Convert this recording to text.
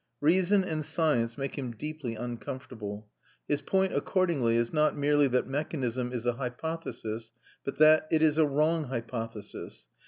Reason and science make him deeply uncomfortable. His point accordingly is not merely that mechanism is a hypothesis, but that it is a wrong hypothesis.